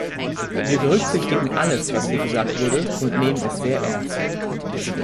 Wir berücksichtigen alles, was hier gesagt wurde, und nehmen es sehr ernst.